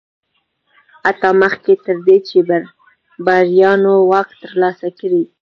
حتی مخکې تر دې چې بربریان واک ترلاسه کړي